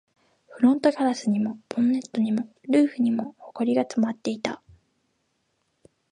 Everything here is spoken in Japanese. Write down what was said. フロントガラスにも、ボンネットにも、ルーフにも埃が溜まっていた